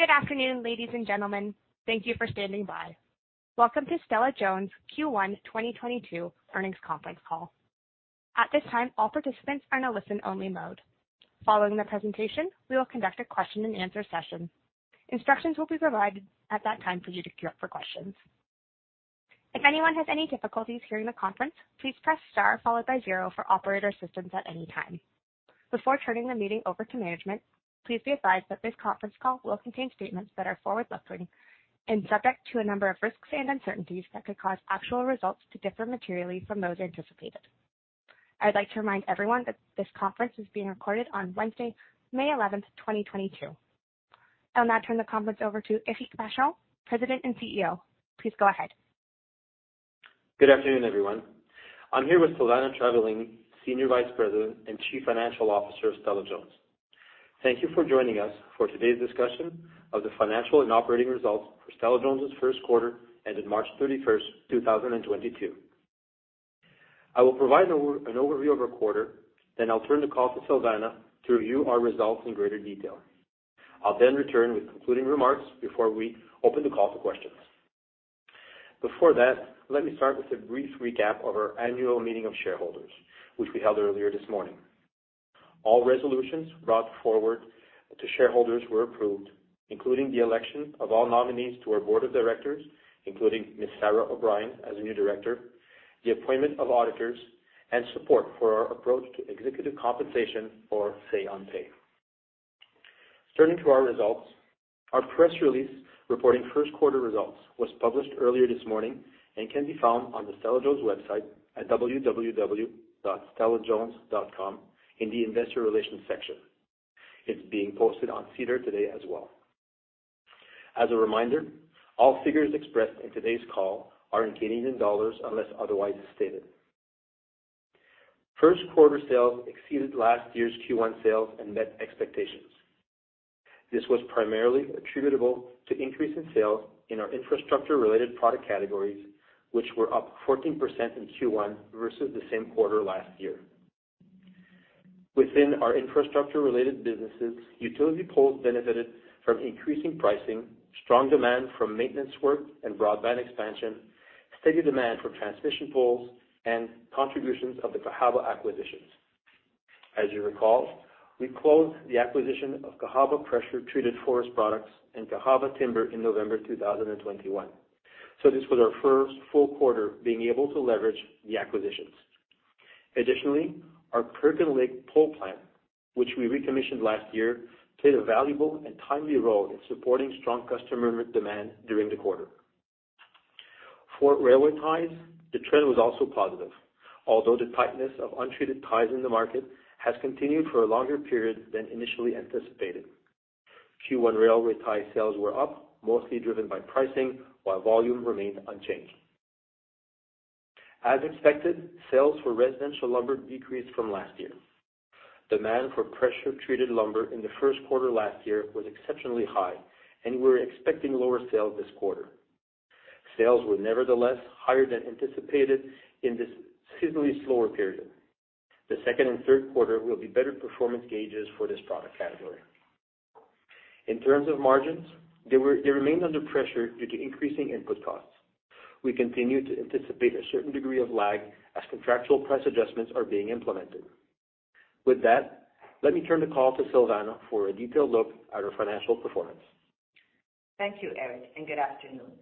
Good afternoon, ladies and gentlemen. Thank you for standing by. Welcome to Stella-Jones Q1 2022 Earnings Conference Call. At this time, all participants are in a listen-only mode. Following the presentation, we will conduct a question-and-answer session. Instructions will be provided at that time for you to queue up for questions. If anyone has any difficulties during the conference, please press star followed by zero for operator assistance at any time. Before turning the meeting over to management, please be advised that this conference call will contain statements that are forward-looking and subject to a number of risks and uncertainties that could cause actual results to differ materially from those anticipated. I'd like to remind everyone that this conference is being recorded on Wednesday, May 11th, 2022. I'll now turn the conference over to Éric Vachon, President and CEO. Please go ahead. Good afternoon, everyone. I'm here with Silvana Travaglini, Senior Vice President and Chief Financial Officer of Stella-Jones. Thank you for joining us for today's discussion of the financial and operating results for Stella-Jones' first quarter ended March 31st, 2022. I will provide an overview of our quarter, then I'll turn the call to Silvana Travaglini to review our results in greater detail. I'll then return with concluding remarks before we open the call for questions. Before that, let me start with a brief recap of our annual meeting of shareholders, which we held earlier this morning. All resolutions brought forward to shareholders were approved, including the election of all nominees to our Board of Directors, including Ms. Sara O'Brien as a new director, the appointment of auditors, and support for our approach to executive compensation or say on pay. Turning to our results, our press release reporting first quarter results was published earlier this morning and can be found on the Stella-Jones website at www.stella-jones.com in the Investor Relations section. It's being posted on SEDAR today as well. As a reminder, all figures expressed in today's call are in Canadian dollars unless otherwise stated. First quarter sales exceeded last year's Q1 sales and met expectations. This was primarily attributable to increase in sales in our infrastructure-related product categories, which were up 14% in Q1 versus the same quarter last year. Within our infrastructure-related businesses, utility poles benefited from increasing pricing, strong demand from maintenance work and broadband expansion, steady demand for transmission poles, and contributions of the Cahaba acquisitions. As you recall, we closed the acquisition of Cahaba Pressure Treated Forest Products and Cahaba Timber in November 2021. This was our first full quarter being able to leverage the acquisitions. Additionally, our Kirkland Lake pole plant, which we recommissioned last year, played a valuable and timely role in supporting strong customer demand during the quarter. For railway ties, the trend was also positive, although the tightness of untreated ties in the market has continued for a longer period than initially anticipated. Q1 railway tie sales were up, mostly driven by pricing, while volume remained unchanged. As expected, sales for residential lumber decreased from last year. Demand for pressure-treated lumber in the first quarter last year was exceptionally high, and we're expecting lower sales this quarter. Sales were nevertheless higher than anticipated in this seasonally slower period. The second and third quarter will be better performance gauges for this product category. In terms of margins, they remained under pressure due to increasing input costs. We continue to anticipate a certain degree of lag as contractual price adjustments are being implemented. With that, let me turn the call to Silvana for a detailed look at our financial performance. Thank you, Éric, and good afternoon.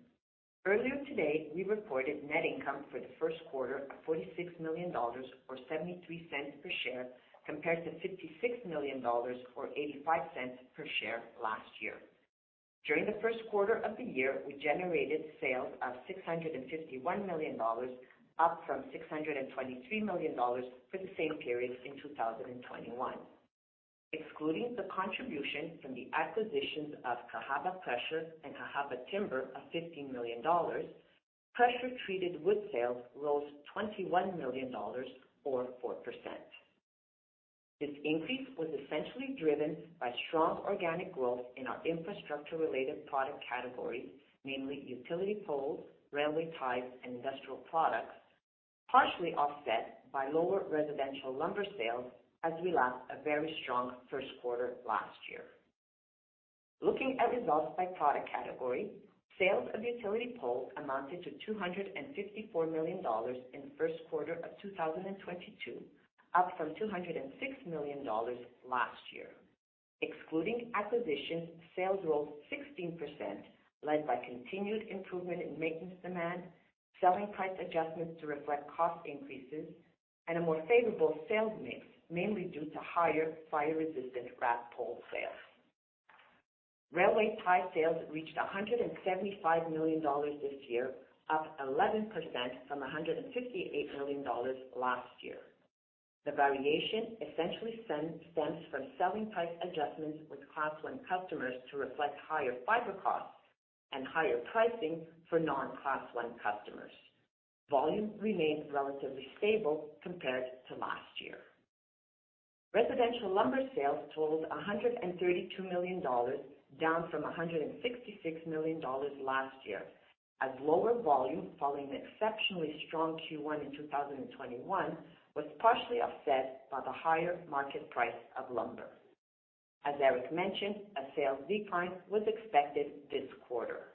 Earlier today, we reported net income for the first quarter of 46 million dollars or 0.73 per share, compared to 56 million dollars or 0.85 per share last year. During the first quarter of the year, we generated sales of 651 million dollars, up from 623 million dollars for the same period in 2021. Excluding the contribution from the acquisitions of Cahaba Pressure and Cahaba Timber of 15 million dollars, pressure treated wood sales rose 21 million dollars or 4%. This increase was essentially driven by strong organic growth in our infrastructure-related product categories, namely utility poles, railway ties, and industrial products, partially offset by lower residential lumber sales as we lacked a very strong first quarter last year. Looking at results by product category, sales of utility poles amounted to 254 million dollars in the first quarter of 2022, up from 206 million dollars last year. Excluding acquisitions, sales rose 16%, led by continued improvement in maintenance demand, selling price adjustments to reflect cost increases, and a more favorable sales mix, mainly due to higher fire-resistant wrapped pole sales. Railway tie sales reached 175 million dollars this year, up 11% from 158 million dollars last year. The variation essentially stems from selling price adjustments with Class I customers to reflect higher fiber costs and higher pricing for non-Class I customers. Volume remained relatively stable compared to last year. Residential lumber sales totaled 132 million dollars, down from 166 million dollars last year, as lower volume following the exceptionally strong Q1 in 2021 was partially offset by the higher market price of lumber. As Éric mentioned, a sales decline was expected this quarter.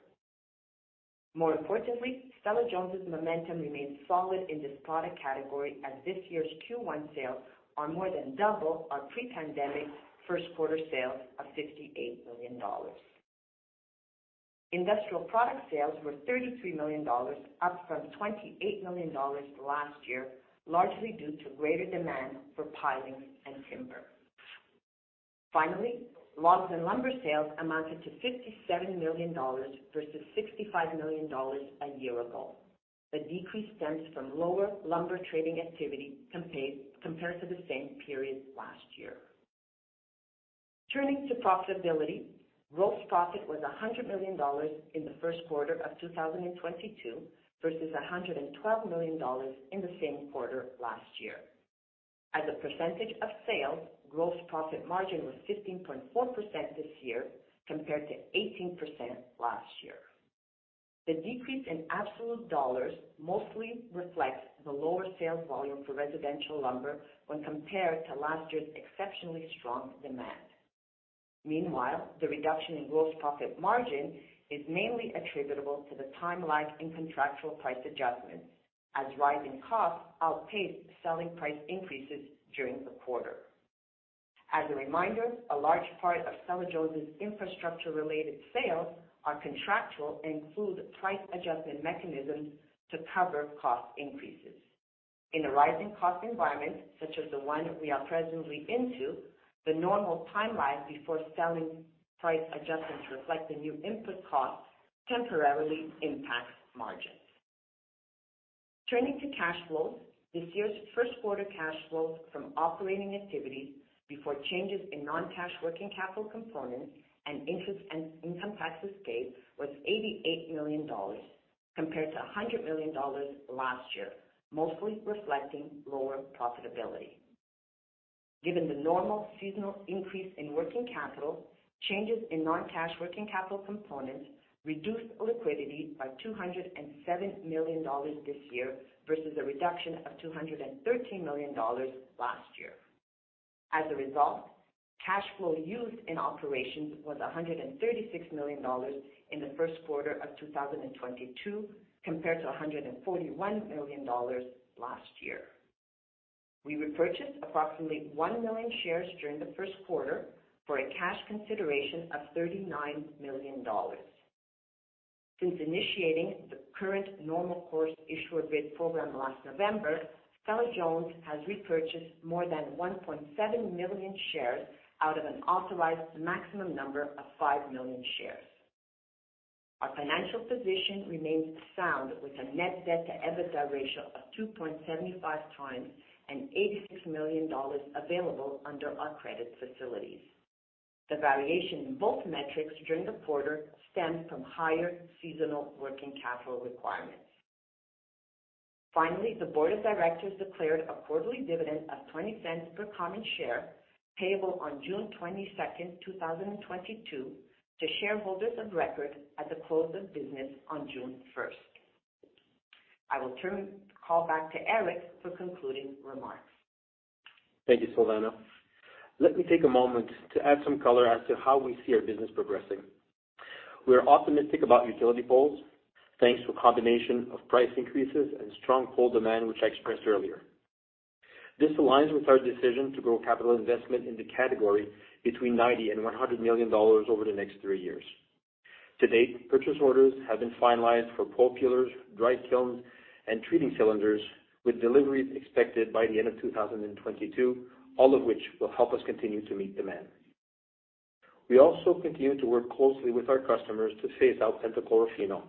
More importantly, Stella-Jones' momentum remains solid in this product category as this year's Q1 sales are more than double our pre-pandemic first quarter sales of 58 million dollars. Industrial product sales were 33 million dollars, up from 28 million dollars last year, largely due to greater demand for pilings and timber. Finally, logs and lumber sales amounted to 57 million dollars versus 65 million dollars a year ago. The decrease stems from lower lumber trading activity compared to the same period last year. Turning to profitability, gross profit was 100 million dollars in the first quarter of 2022 versus 112 million dollars in the same quarter last year. As a percentage of sales, gross profit margin was 15.4% this year compared to 18% last year. The decrease in absolute dollars mostly reflects the lower sales volume for residential lumber when compared to last year's exceptionally strong demand. Meanwhile, the reduction in gross profit margin is mainly attributable to the time lag in contractual price adjustments, as rising costs outpaced selling price increases during the quarter. As a reminder, a large part of Stella-Jones' infrastructure-related sales are contractual and include price adjustment mechanisms to cover cost increases. In a rising cost environment such as the one we are presently into, the normal time lag before selling price adjustments reflect the new input costs temporarily impacts margins. Turning to cash flows, this year's first quarter cash flows from operating activities before changes in non-cash working capital components and interest and income taxes paid was 88 million dollars compared to 100 million dollars last year, mostly reflecting lower profitability. Given the normal seasonal increase in working capital, changes in non-cash working capital components reduced liquidity by 207 million dollars this year versus a reduction of 213 million dollars last year. As a result, cash flow used in operations was 136 million dollars in the first quarter of 2022 compared to 141 million dollars last year. We repurchased approximately 1 million shares during the first quarter for a cash consideration of 39 million dollars. Since initiating the current normal course issuer bid program last November, Stella-Jones has repurchased more than 1.7 million shares out of an authorized maximum number of 5 million shares. Our financial position remains sound with a net debt-to-EBITDA ratio of 2.75x and 86 million dollars available under our credit facilities. The variation in both metrics during the quarter stemmed from higher seasonal working capital requirements. Finally, the board of directors declared a quarterly dividend of 0.20 per common share payable on June 22nd, 2022 to shareholders of record at the close of business on June 1st. I will turn the call back to Éric for concluding remarks. Thank you, Silvana. Let me take a moment to add some color as to how we see our business progressing. We are optimistic about utility poles, thanks to a combination of price increases and strong pole demand, which I expressed earlier. This aligns with our decision to grow capital investment in the category between 90 million and 100 million dollars over the next three years. To date, purchase orders have been finalized for pole peelers, dry kilns, and treating cylinders, with deliveries expected by the end of 2022, all of which will help us continue to meet demand. We also continue to work closely with our customers to phase out pentachlorophenol.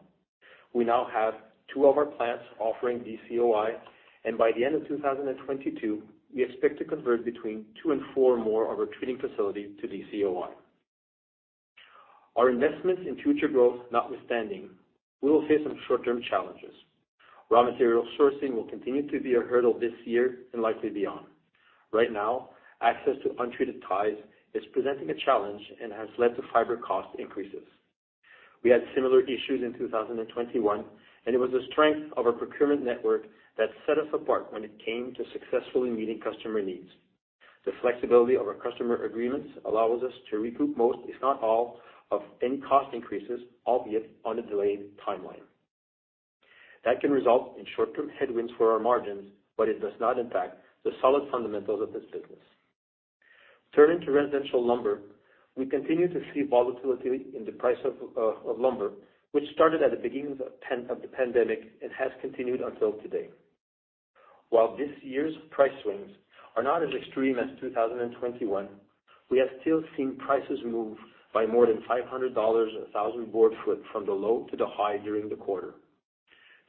We now have two of our plants offering DCOI, and by the end of 2022, we expect to convert between two and four more of our treating facilities to DCOI. Our investments in future growth notwithstanding, we will face some short-term challenges. Raw material sourcing will continue to be a hurdle this year and likely beyond. Right now, access to untreated ties is presenting a challenge and has led to fiber cost increases. We had similar issues in 2021, and it was the strength of our procurement network that set us apart when it came to successfully meeting customer needs. The flexibility of our customer agreements allows us to recoup most, if not all, of any cost increases, albeit on a delayed timeline. That can result in short-term headwinds for our margins, but it does not impact the solid fundamentals of this business. Turning to residential lumber, we continue to see volatility in the price of lumber, which started at the beginning of the pandemic and has continued until today. While this year's price swings are not as extreme as 2021, we have still seen prices move by more than $500 a thousand board foot from the low to the high during the quarter.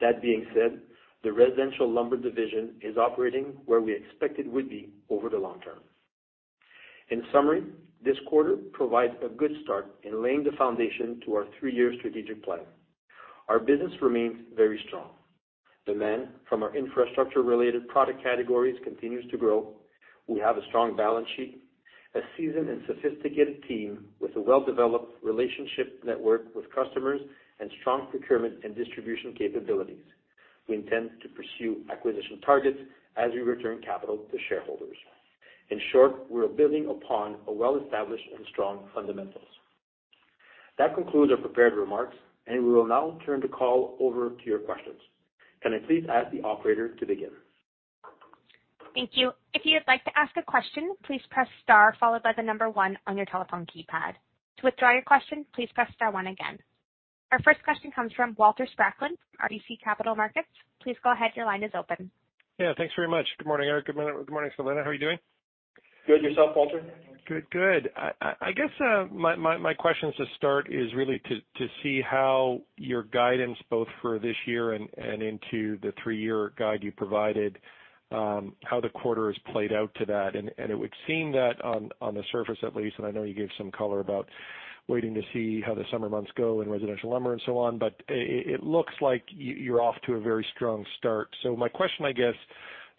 That being said, the residential lumber division is operating where we expect it would be over the long term. In summary, this quarter provides a good start in laying the foundation to our three-year strategic plan. Our business remains very strong. Demand from our infrastructure-related product categories continues to grow. We have a strong balance sheet, a seasoned and sophisticated team with a well-developed relationship network with customers and strong procurement and distribution capabilities. We intend to pursue acquisition targets as we return capital to shareholders. In short, we are building upon a well-established and strong fundamentals. That concludes our prepared remarks, and we will now turn the call over to your questions. Can I please ask the operator to begin? Thank you. If you would like to ask a question, please press star followed by the number one on your telephone keypad. To withdraw your question, please press star one again. Our first question comes from Walter Spracklin, RBC Capital Markets. Please go ahead. Your line is open. Yeah, thanks very much. Good morning, Éric. Good morning, Silvana. How are you doing? Good. Yourself, Walter? Good, good. I guess my question to start is really to see how your guidance both for this year and into the three-year guide you provided, how the quarter has played out to that. It would seem that on the surface at least, and I know you gave some color about waiting to see how the summer months go in residential lumber and so on, but it looks like you're off to a very strong start. My question, I guess,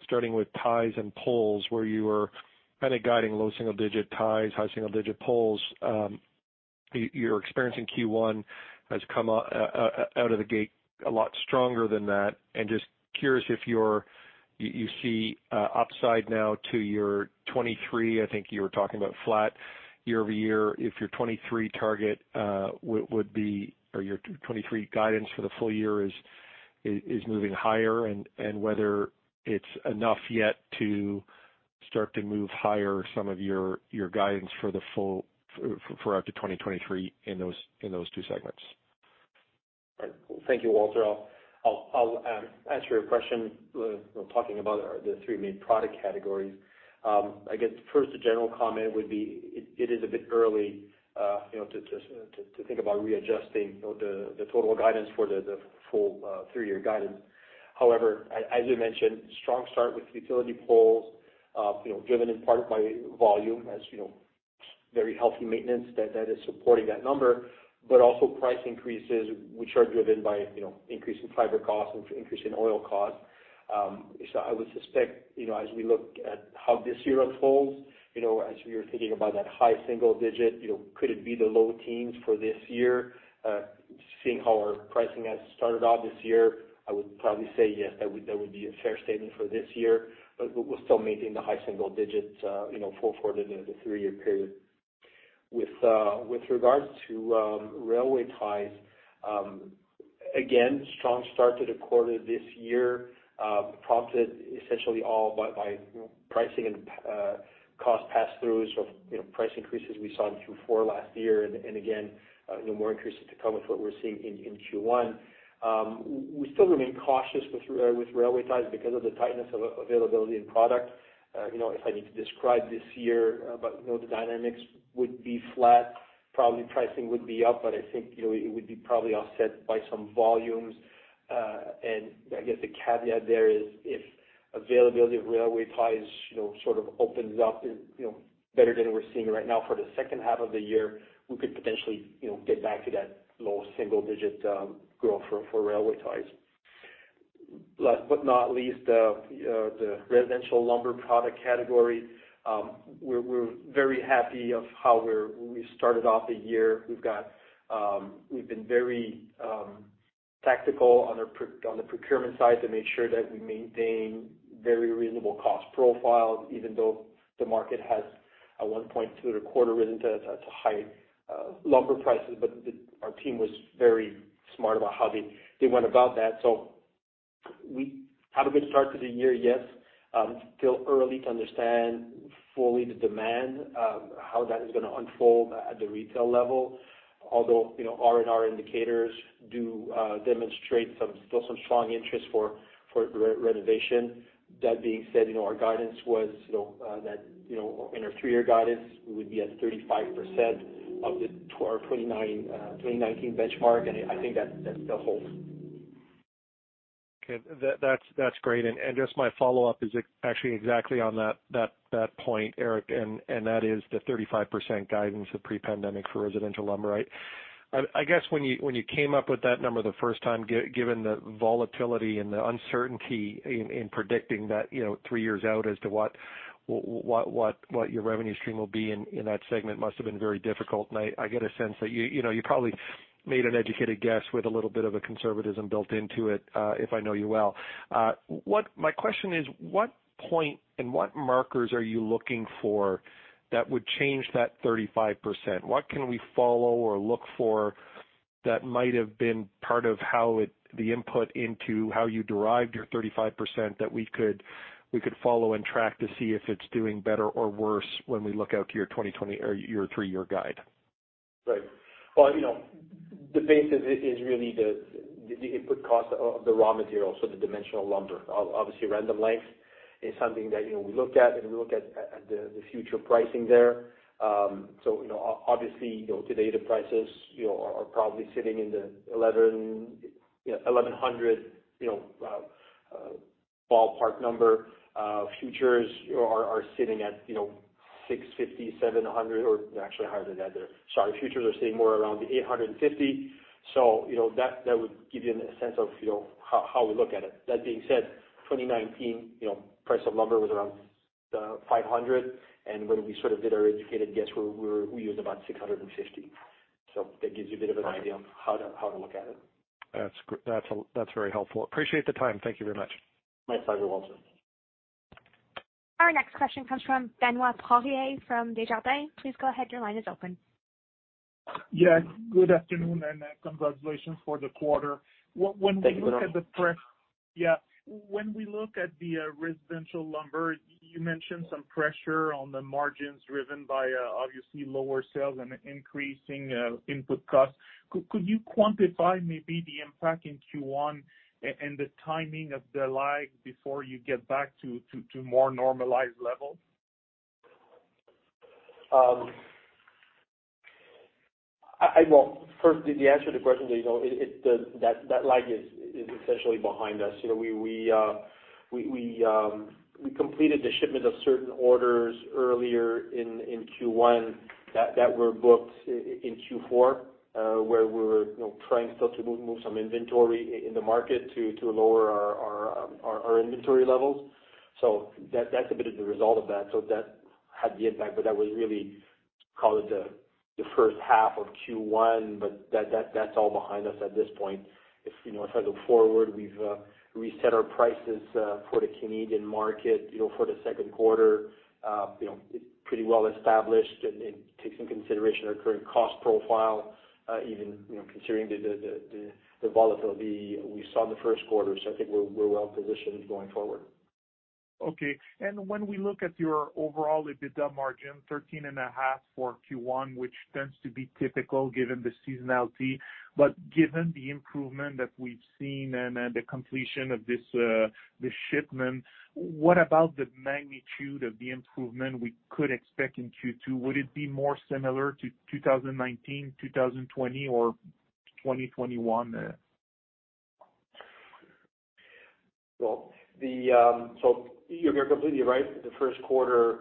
starting with ties and poles, where you were kind of guiding low single-digit ties, high single-digit poles, your experience in Q1 has come out of the gate a lot stronger than that. Just curious if you see upside now to your 2023. I think you were talking about flat YoY. If your 2023 target would be or your 2023 guidance for the full year is moving higher, and whether it's enough yet to start to move higher some of your guidance for out to 2023 in those two segments. All right. Thank you, Walter. I'll answer your question with talking about the three main product categories. I guess first a general comment would be it is a bit early, you know, to think about readjusting, you know, the total guidance for the full three-year guidance. However, as you mentioned, strong start with utility poles, you know, driven in part by volume as, you know, very healthy maintenance that is supporting that number, but also price increases which are driven by, you know, increase in fiber costs and increase in oil costs. So I would suspect, you know, as we look at how this year unfolds, you know, as we were thinking about that high single digit, you know, could it be the low teens for this year? Seeing how our pricing has started out this year, I would probably say yes, that would be a fair statement for this year. We're still maintaining the high single digits perecent, you know, for the three-year period. With regards to railway ties, again, strong start to the quarter this year, prompted essentially all by you know, pricing and cost pass-throughs of you know, price increases we saw in Q4 last year. Again, you know, more increases to come with what we're seeing in Q1. We still remain cautious with railway ties because of the tightness of availability in product. You know, if I need to describe this year, you know, the dynamics would be flat. Probably pricing would be up, but I think, you know, it would be probably offset by some volumes. I guess the caveat there is if availability of railway ties, you know, sort of opens up, you know, better than we're seeing right now for the second half of the year, we could potentially, you know, get back to that low single digit growth for railway ties. Last but not least, the residential lumber product category. We're very happy of how we started off the year. We've been very tactical on the procurement side to make sure that we maintain very reasonable cost profiles, even though the market has at one point through the quarter risen to high lumber prices. Our team was very smart about how they went about that. We have a good start to the year, yes. Still early to understand fully the demand, how that is gonna unfold at the retail level. You know, R&R indicators do demonstrate some strong interest for renovation. That being said, you know, our guidance was, you know, that, you know, in our three-year guidance, we would be at 35% of our 2019 benchmark, and I think that still holds. Okay. That's great. Just my follow-up is actually exactly on that point, Éric, and that is the 35% guidance of pre-pandemic for residential lumber, right? I guess when you came up with that number the first time, given the volatility and the uncertainty in predicting that, you know, three years out as to what your revenue stream will be in that segment must have been very difficult. I get a sense that you know, you probably made an educated guess with a little bit of a conservatism built into it, if I know you well. My question is, what point and what markers are you looking for that would change that 35%? What can we follow or look for that might have been part of the input into how you derived your 35% that we could follow and track to see if it's doing better or worse when we look out to your 2020 or your three-year guide? Right. Well, you know, the base is really the input cost of the raw materials, so the dimensional lumber. Obviously, random length is something that, you know, we look at, and we look at the future pricing there. You know, obviously, you know, today the prices, you know, are probably sitting in the 1,100 ballpark number. Futures are sitting at, you know, 650, 700, or actually higher than that there. Sorry. Futures are sitting more around the 850. You know, that would give you a sense of, you know, how we look at it. That being said, 2019, you know, price of lumber was around 500, and when we sort of did our educated guess, we used about 650. That gives you a bit of an idea of how to look at it. That's very helpful. Appreciate the time. Thank you very much. My pleasure, Walter. Our next question comes from Benoit Poirier from Desjardins. Please go ahead. Your line is open. Yeah. Good afternoon and, congratulations for the quarter. When we look at the pre- Thank you, Benoit. Yeah. When we look at the residential lumber, you mentioned some pressure on the margins driven by obviously lower sales and increasing input costs. Could you quantify maybe the impact in Q1 and the timing of the lag before you get back to more normalized levels? Well, first, the answer to the question that you know, that lag is essentially behind us. You know, we completed the shipment of certain orders earlier in Q1 that were booked in Q4, where we were, you know, trying still to move some inventory in the market to lower our inventory levels. That's a bit of the result of that. That had the impact. That was really call it the first half of Q1, but that's all behind us at this point. You know, if I look forward, we've reset our prices for the Canadian market, you know, for the second quarter. You know, it's pretty well established and it takes into consideration our current cost profile, even, you know, considering the volatility we saw in the first quarter. I think we're well positioned going forward. Okay. When we look at your overall EBITDA margin, 13.5% for Q1, which tends to be typical given the seasonality. Given the improvement that we've seen and then the completion of this shipment, what about the magnitude of the improvement we could expect in Q2? Would it be more similar to 2019, 2020, or 2021? Well, you're completely right. The first quarter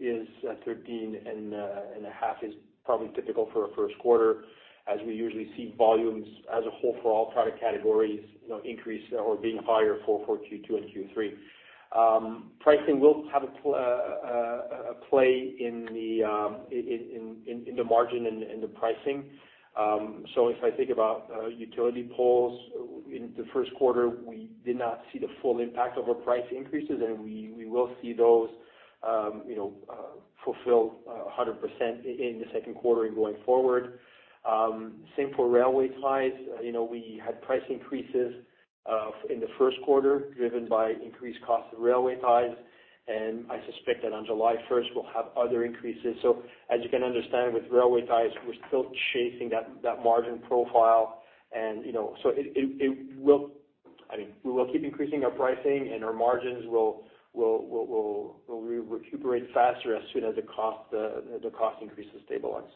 is at 13.5%, is probably typical for a first quarter, as we usually see volumes as a whole for all product categories, you know, increase or being higher for Q2 and Q3. Pricing will have a play in the margin and in the pricing. If I think about utility poles, in the first quarter, we did not see the full impact of our price increases, and we will see those full 100% in the second quarter and going forward. Same for railway ties. You know, we had price increases in the first quarter driven by increased cost of railway ties, and I suspect that on July first, we'll have other increases. As you can understand, with railway ties, we're still chasing that margin profile and, you know, we will keep increasing our pricing and our margins will recuperate faster as soon as the cost increase stabilizes.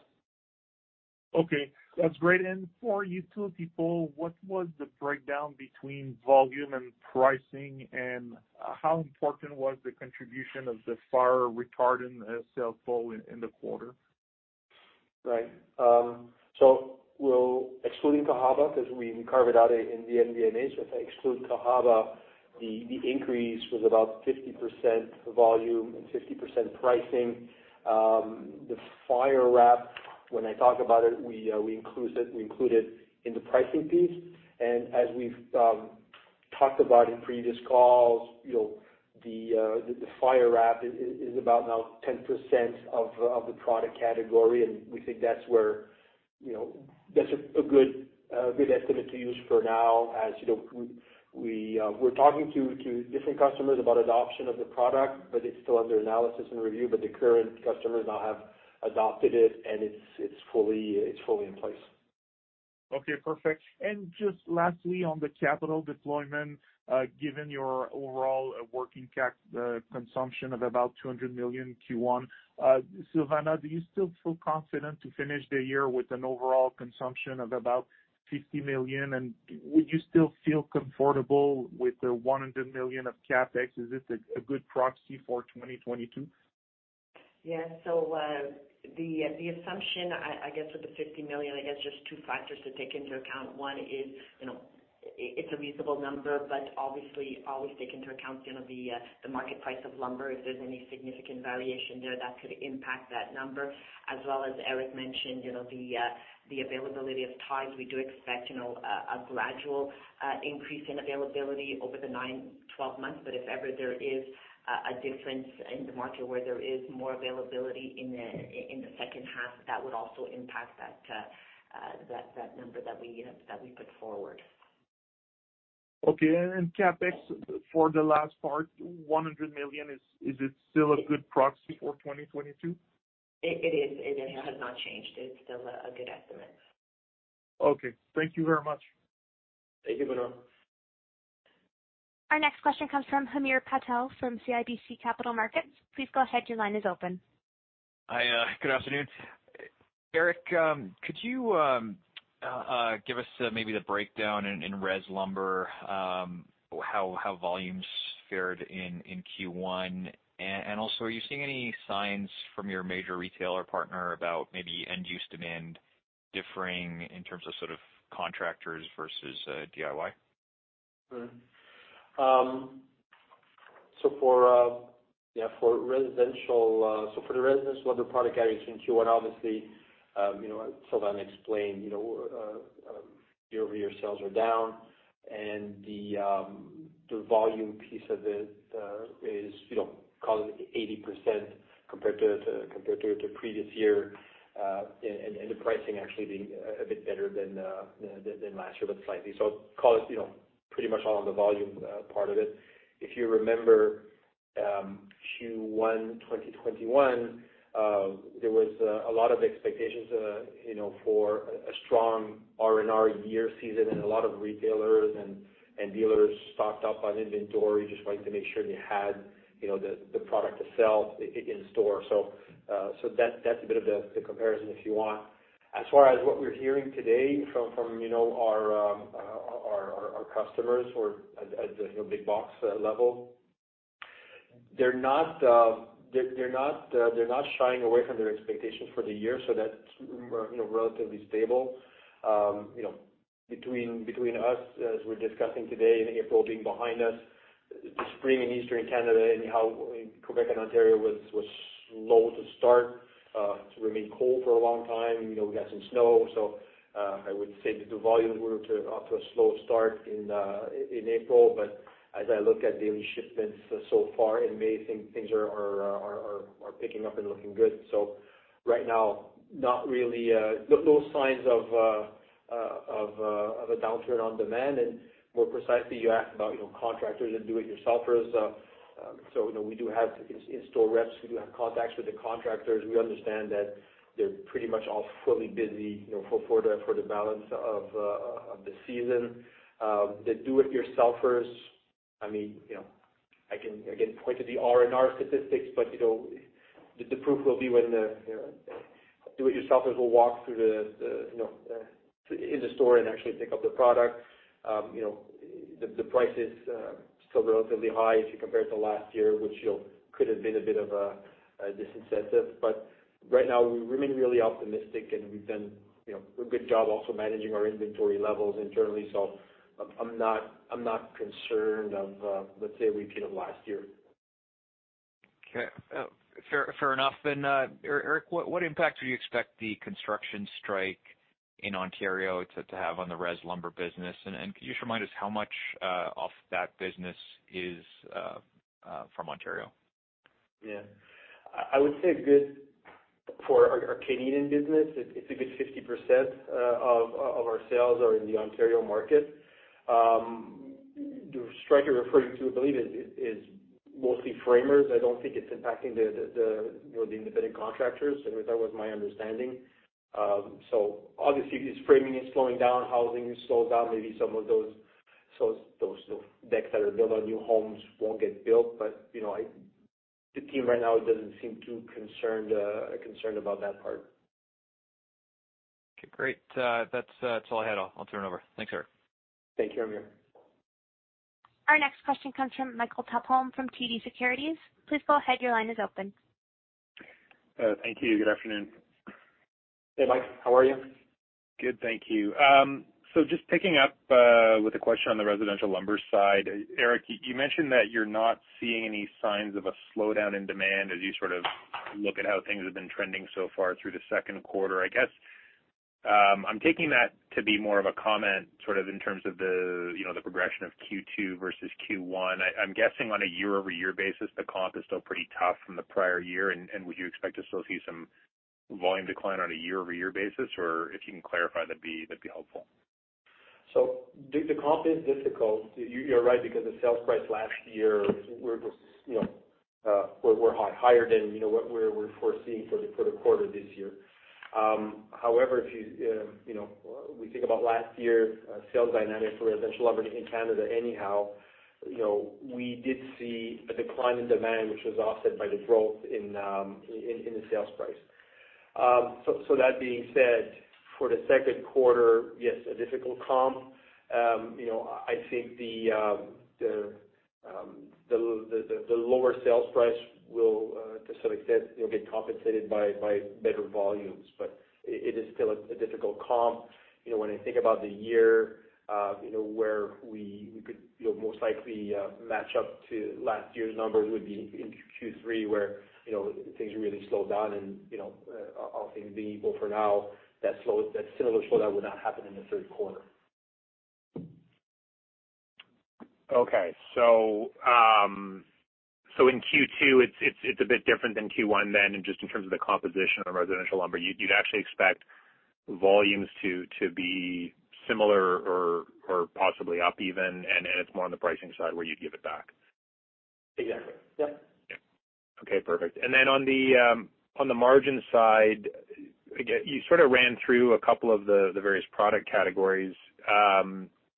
Okay. That's great. For utility pole, what was the breakdown between volume and pricing, and how important was the contribution of the fire retardant sales volume in the quarter? Right. Excluding Cahaba, because we carve it out in the MD&A. If I exclude Cahaba, the increase was about 50% volume and 50% pricing. The fire wrap, when I talk about it, we include it in the pricing piece. As we've talked about in previous calls, you know, the fire wrap is about now 10% of the product category, and we think that's where, you know. That's a good estimate to use for now. As you know, we're talking to different customers about adoption of the product, but it's still under analysis and review. The current customers now have adopted it, and it's fully in place. Okay, perfect. Just lastly, on the capital deployment, given your overall working cap consumption of about 200 million in Q1, Silvana, do you still feel confident to finish the year with an overall consumption of about 50 million? Would you still feel comfortable with the 100 million of CapEx? Is this a good proxy for 2022? The assumption, I guess with the 50 million, I guess just two factors to take into account. One is, you know, it's a reasonable number, but obviously always take into account, you know, the market price of lumber. If there's any significant variation there, that could impact that number. As well as Éric mentioned, you know, the availability of ties. We do expect, you know, a gradual increase in availability over the 9-12 months. But if ever there is a difference in the market where there is more availability in the second half, that would also impact that number that we have, that we put forward. Okay. CapEx for the last part, 100 million, is it still a good proxy for 2022? It is. It has not changed. It's still a good estimate. Okay. Thank you very much. Thank you, Benoit. Our next question comes from Hamir Patel from CIBC Capital Markets. Please go ahead. Your line is open. Hi, good afternoon. Éric, could you give us maybe the breakdown in res lumber, how volumes fared in Q1? Also, are you seeing any signs from your major retailer partner about maybe end-use demand differing in terms of sort of contractors versus DIY? For the residential other product categories in Q1, obviously, you know, YoY sales are down and the volume piece of it is, you know, call it 80% compared to the previous year, and the pricing actually being a bit better than last year, but slightly. Call it, you know, pretty much all on the volume part of it. If you remember, Q1 2021, there was a lot of expectations, you know, for a strong R&R year season and a lot of retailers and dealers stocked up on inventory just wanting to make sure they had, you know, the product to sell in store. That's a bit of the comparison if you want. As far as what we're hearing today from you know our customers or at you know big box level, they're not shying away from their expectations for the year, so that's you know relatively stable. You know between us as we're discussing today and April being behind us, the spring in Eastern Canada, anyhow, in Quebec and Ontario was slow to start, it remained cold for a long time. You know we got some snow, I would say that the volumes were off to a slow start in April. As I look at daily shipments so far in May, things are picking up and looking good. Right now, not really, no signs of a downturn on demand. More precisely, you asked about, you know, contractors and do-it-yourselfers. You know, we do have in-store reps, we do have contacts with the contractors. We understand that they're pretty much all fully busy, you know, for the balance of the season. The do-it-yourselfers, I mean, you know, I can again point to the R&R statistics, but you know, the proof will be when the do-it-yourselfers will walk through the, you know, in the store and actually pick up the product. You know, the price is still relatively high if you compare it to last year, which you know, could have been a bit of a disincentive. Right now, we remain really optimistic, and we've done, you know, a good job also managing our inventory levels internally. So I'm not concerned of, let's say, a repeat of last year. Okay. Fair enough. Éric, what impact do you expect the construction strike in Ontario to have on the residential lumber business? Could you just remind us how much of that business is from Ontario? Yeah. I would say, for our Canadian business, it's a good 50% of our sales are in the Ontario market. The strike you're referring to, I believe, is mostly framers. I don't think it's impacting, you know, the independent contractors. At least that was my understanding. Obviously if framing is slowing down, housing has slowed down, maybe some of those decks that are built on new homes won't get built. You know, the team right now doesn't seem too concerned about that part. Okay, great. That's all I had. I'll turn it over. Thanks, Éric. Thank you, Hamir. Our next question comes from Michael Tupholme from TD Securities. Please go ahead, your line is open. Thank you. Good afternoon. Hey, Mike. How are you? Good, thank you. Just picking up with a question on the residential lumber side. Éric, you mentioned that you're not seeing any signs of a slowdown in demand as you sort of look at how things have been trending so far through the second quarter. I guess I'm taking that to be more of a comment, sort of in terms of the, you know, the progression of Q2 versus Q1. I'm guessing on a YoY basis, the comp is still pretty tough from the prior year, and would you expect to still see some volume decline on a YoY basis? Or if you can clarify, that'd be helpful. The comp is difficult. You're right, because the sales price last year were just, you know, were higher than, you know, what we're foreseeing for the quarter this year. However, if you know, we think about last year's sales dynamic for residential lumber in Canada anyhow, you know, we did see a decline in demand, which was offset by the growth in the sales price. That being said, for the second quarter, yes, a difficult comp. You know, I think the lower sales price will, to some extent, you know, get compensated by better volumes, but it is still a difficult comp. You know, when I think about the year, you know, where we could, you know, most likely, match up to last year's numbers would be in Q3 where, you know, things really slowed down and, you know, all things being equal for now, that similar slowdown would not happen in the third quarter. Okay. In Q2 it's a bit different than Q1, then it's just in terms of the composition of residential lumber. You'd actually expect volumes to be similar or possibly up even, and it's more on the pricing side where you'd give it back? Exactly. Yep. Yeah. Okay, perfect. Then on the margin side, again, you sort of ran through a couple of the various product categories.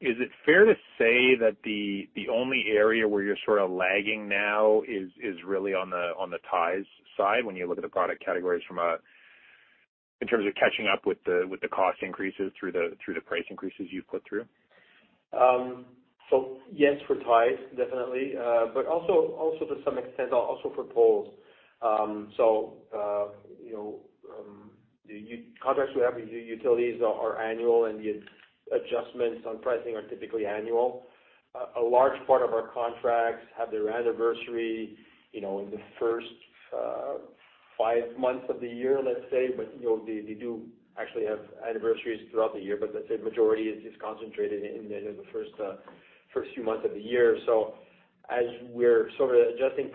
Is it fair to say that the only area where you're sort of lagging now is really on the ties side when you look at the product categories in terms of catching up with the cost increases through the price increases you've put through? Yes, for ties definitely. Also to some extent for poles. The contracts we have with the utilities are annual and the adjustments on pricing are typically annual. A large part of our contracts have their anniversary, you know, in the first five months of the year, let's say, but, you know, they do actually have anniversaries throughout the year. Let's say majority is concentrated in the first few months of the year. As we're sort of adjusting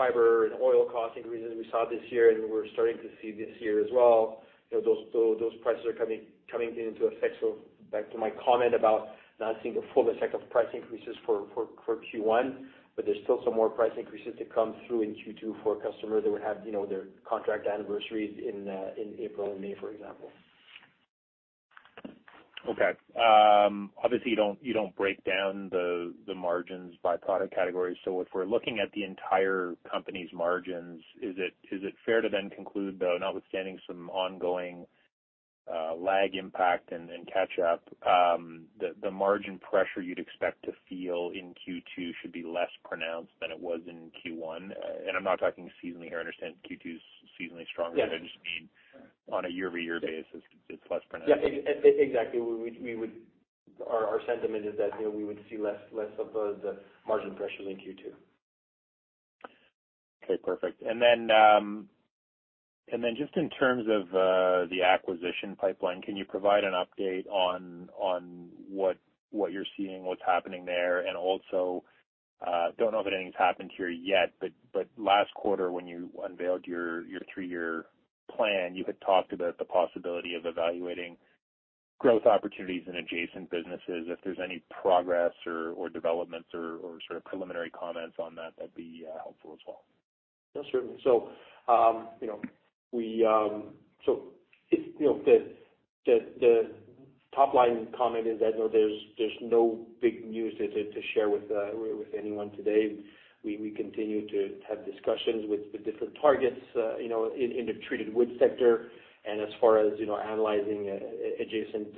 for fiber and oil cost increases we saw this year and we're starting to see this year as well, you know, those prices are coming into effect. Back to my comment about not seeing the full effect of price increases for Q1, but there's still some more price increases to come through in Q2 for customers that would have, you know, their contract anniversaries in April and May, for example. Okay. Obviously, you don't break down the margins by product category. If we're looking at the entire company's margins, is it fair to then conclude, though, notwithstanding some ongoing lag impact and catch up, the margin pressure you'd expect to feel in Q2 should be less pronounced than it was in Q1? I'm not talking seasonally here. I understand Q2 is seasonally stronger. Yes. I just mean on a YoY basis, it's less pronounced. Yeah. Exactly. We would. Our sentiment is that, you know, we would see less of the margin pressure in Q2. Okay, perfect. Then just in terms of the acquisition pipeline, can you provide an update on what you're seeing, what's happening there? Also, don't know if anything's happened here yet, but last quarter, when you unveiled your three-year plan, you had talked about the possibility of evaluating growth opportunities in adjacent businesses. If there's any progress or developments or sort of preliminary comments on that'd be helpful as well. Yeah, certainly. The top-line comment is that there's no big news to share with anyone today. We continue to have discussions with different targets, you know, in the treated wood sector. As far as analyzing adjacent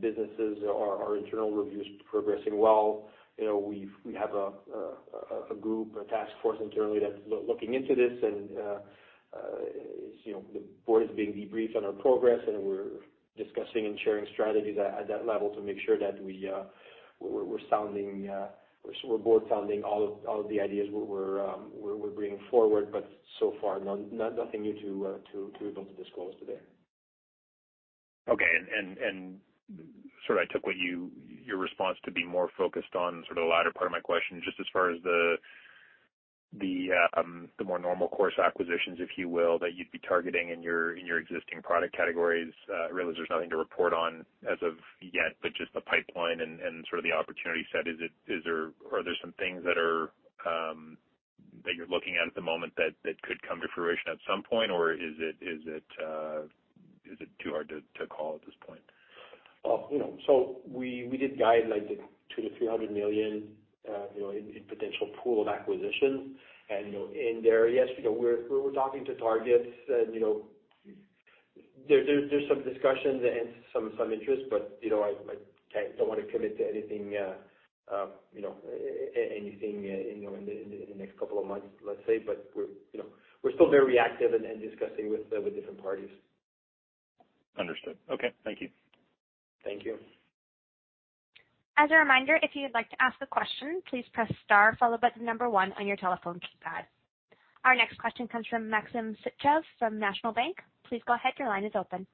businesses, our internal review is progressing well. You know, we have a group, a task force internally that's looking into this. You know, the board is being debriefed on our progress, and we're discussing and sharing strategies at that level to make sure that we're board sounding all of the ideas we're bringing forward. So far, nothing new to be able to disclose today. Okay. Sort of I took your response to be more focused on sort of the latter part of my question, just as far as the more normal course acquisitions, if you will, that you'd be targeting in your existing product categories. I realize there's nothing to report on as of yet, but just the pipeline and sort of the opportunity set. Are there some things that you're looking at at the moment that could come to fruition at some point? Or is it too hard to call at this point? Well, you know, we did guide like 200- 300 million, you know, in potential pool of acquisitions. You know, in there, yes, you know, we're talking to targets and, you know, there's some discussions and some interest. You know, I don't wanna commit to anything, you know, in the next couple of months, let's say. We're, you know, still very active and discussing with different parties. Understood. Okay. Thank you. Thank you. As a reminder, if you'd like to ask a question, please press star followed by the number one on your telephone keypad. Our next question comes from Maxim Sytchev from National Bank Financial. Please go ahead. Your line is open.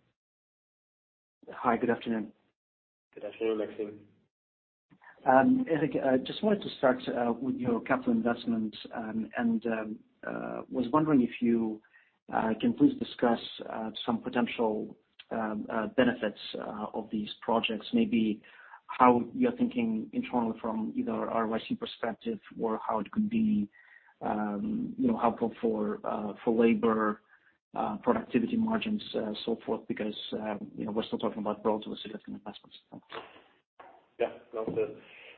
Hi. Good afternoon. Good afternoon, Maxim. Éric, I just wanted to start with your capital investments and was wondering if you can please discuss some potential benefits of these projects, maybe how you're thinking internally from either ROI perspective or how it could be, you know, helpful for labor productivity margins, so forth, because, you know, we're still talking about relatively significant investments. Thanks. Yeah, no,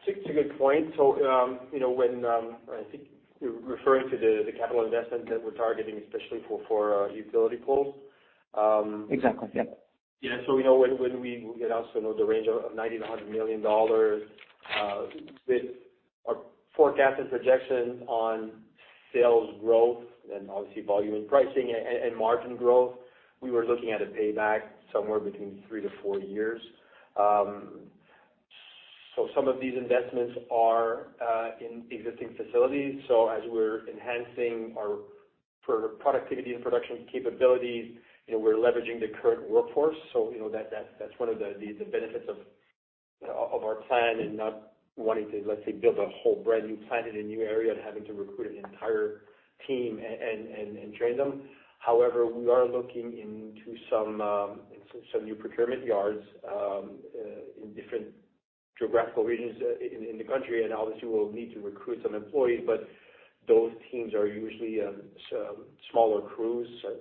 it's a good point. You know, when I think you're referring to the capital investment that we're targeting especially for utility poles. Exactly. Yeah. Yeah. We know when we get out, you know, the range of 90 million-100 million dollars with our forecast and projections on sales growth and obviously volume and pricing and margin growth, we were looking at a payback somewhere between 3-4 years. Some of these investments are in existing facilities. As we're enhancing our productivity and production capabilities, you know, we're leveraging the current workforce. You know, that's one of the benefits of our plan and not wanting to, let's say, build a whole brand new plant in a new area and having to recruit an entire team and train them. However, we are looking into some new procurement yards in different geographical regions in the country, and obviously we'll need to recruit some employees, but those teams are usually smaller crews, you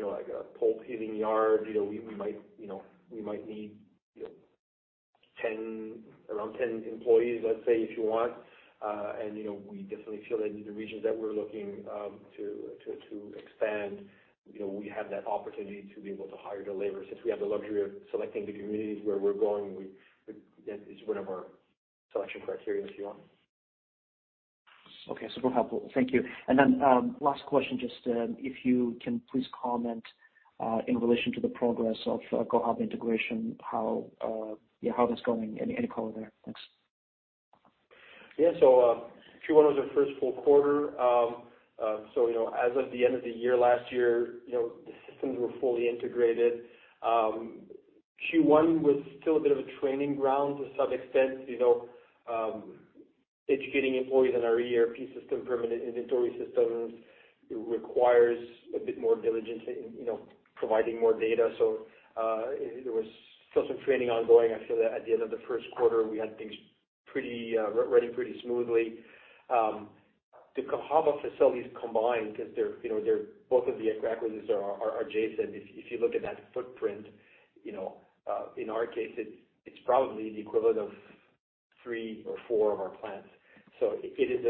know, like a pole peeling yard. You know, we might need, you know, 10, around 10 employees, let's say, if you want. You know, we definitely feel that in the regions that we're looking to expand, you know, we have that opportunity to be able to hire the labor since we have the luxury of selecting the communities where we're going. That is one of our selection criteria, if you want. Okay, super helpful. Thank you. Last question, just, if you can please comment in relation to the progress of Cahaba integration, how yeah, how that's going. Any color there? Thanks. Yeah. Q1 was our first full quarter. you know, as of the end of the year last year, you know, the systems were fully integrated. Q1 was still a bit of a training ground to some extent, you know. Educating employees on our ERP system, permanent inventory systems, it requires a bit more diligence in, you know, providing more data. There was still some training ongoing. I feel that at the end of the first quarter we had things pretty running pretty smoothly. The Cahaba facilities combined, 'cause they're, you know, they're both of the acquisitions are adjacent. If you look at that footprint, you know, in our case, it's probably the equivalent of three or four of our plants. So it is,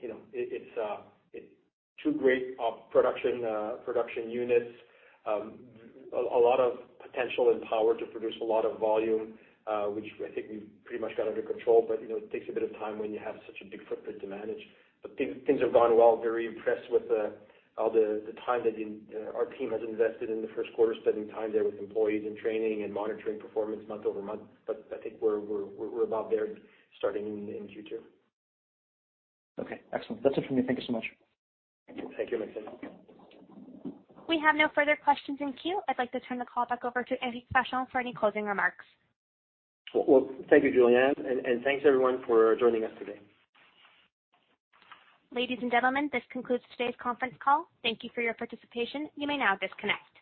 you know. It's two great production units. A lot of potential and power to produce a lot of volume, which I think we've pretty much got under control. You know, it takes a bit of time when you have such a big footprint to manage. Things have gone well. Very impressed with all the time that our team has invested in the first quarter, spending time there with employees and training and monitoring performance month-over-month. I think we're about there starting in Q2. Okay, excellent. That's it for me. Thank you so much. Thank you, Maxim. We have no further questions in queue. I'd like to turn the call back over to Éric Vachon for any closing remarks. Well, thank you, Julianne, and thanks everyone for joining us today. Ladies and gentlemen, this concludes today's conference call. Thank you for your participation. You may now disconnect.